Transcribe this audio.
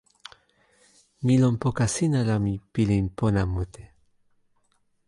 mi lon poka sina la mi pilin pona mute.